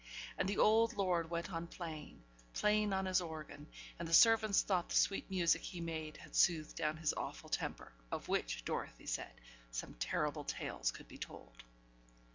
And the old lord went on playing playing on his organ; and the servants thought the sweet music he made had soothed down his awful temper, of which (Dorothy said) some terrible tales could be told.